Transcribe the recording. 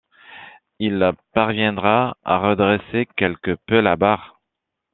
Il parviendra à redresser quelque peu la barre.